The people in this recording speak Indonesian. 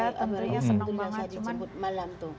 tentunya senang banget